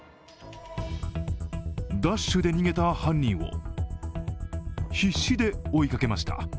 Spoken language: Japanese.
ダッシュで逃げた犯人を必死で追いかけました。